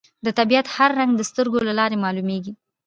د طبیعت هر رنګ د سترګو له لارې معلومېږي